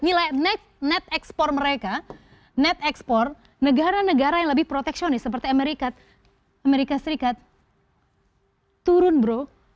nilai ekspor net mereka negara negara yang lebih proteksionis seperti amerika serikat turun bro